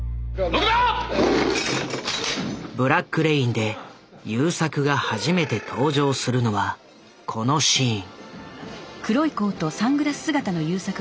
「ブラック・レイン」で優作が初めて登場するのはこのシーン。